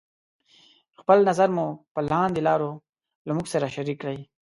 خپل نظر مو پر لاندې لارو له موږ سره شريکې کړئ: